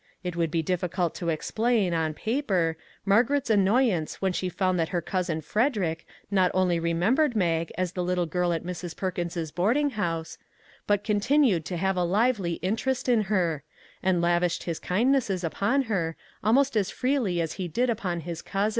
It would be difficult to explain, on paper, Margaret's annoyance when she found that her cousin Frederick not only remembered Mag as the little girl at Mrs. Perkins's boarding house, but continued to have a lively interest in her, and lavished his kindnesses upon her almost as freely as he did upon his cousin.